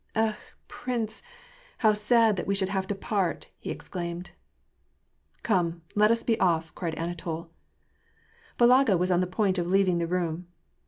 *' Ekh ! prince, how sad that we should have to part !" he exclaimed. " Come, let us be off," cried Anatol. Balaga was on the, point of leaving the room.